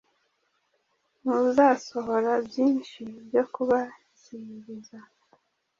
Ntuzasohora byinshi byo kubakiriza.